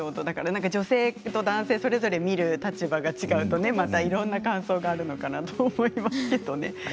男性と女性それぞれ見る立場が違うといろんな感想があるのかなと思いますけどね。